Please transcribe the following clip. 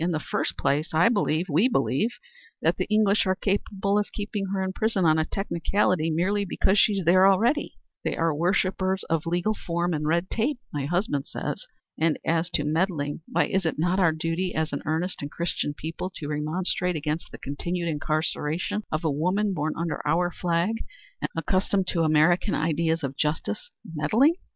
"In the first place I believe we believe that the English are capable of keeping her in prison on a technicality merely because she is there already. They are worshippers of legal form and red tape, my husband says. And as to meddling, why is it not our duty as an earnest and Christian people to remonstrate against the continued incarceration of a woman born under our flag and accustomed to American ideas of justice? Meddling?